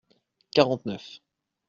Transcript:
Quarante-neuf.